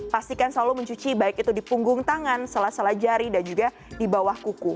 pastikan selalu mencuci baik itu di punggung tangan sela sela jari dan juga di bawah kuku